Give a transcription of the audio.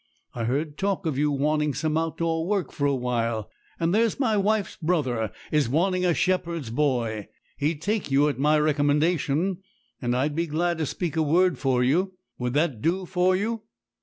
I heard talk of you wanting some out door work for a while; and there's my wife's brother is wanting a shepherd's boy. He'd take you at my recommendation, and I'd be glad to speak a word for you. Would that do for you?'